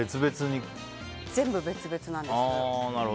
全部別々なんです。